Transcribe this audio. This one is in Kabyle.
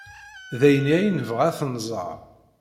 D ayenni ay nebɣa ad t-nẓer.